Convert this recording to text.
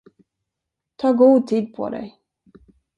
Ta god tid på dig.